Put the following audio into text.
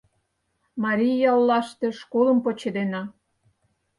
Марий яллаште школым почедена.